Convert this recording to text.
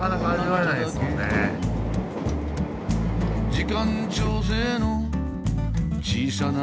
「時間調整の小さな駅で」